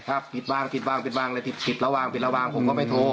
ครับปิดวางปิดวางปิดวางเลยติดติดแล้ววางปิดแล้ววางผมก็ไม่โทร